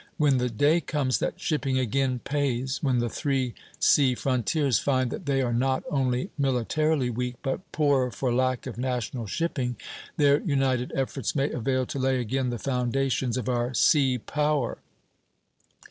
When the day comes that shipping again pays, when the three sea frontiers find that they are not only militarily weak, but poorer for lack of national shipping, their united efforts may avail to lay again the foundations of our sea power.